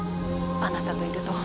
あなたといると。